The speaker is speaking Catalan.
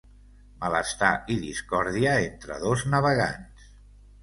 Malestar i discòrdia entre dos navegants.